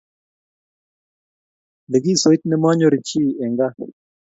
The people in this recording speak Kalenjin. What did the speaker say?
Likisoit ne manyoruu chii eng kaa.